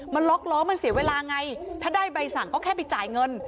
มันล็อกล้อมันเสียเวลาไงถ้าได้ใบสั่งก็แค่ไปจ่ายเงิน